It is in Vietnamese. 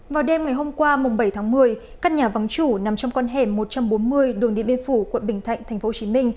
vào đêm ngày hôm qua bảy tháng một mươi căn nhà vắng chủ nằm trong con hẻm một trăm bốn mươi đường điện biên phủ quận bình thạnh tp hcm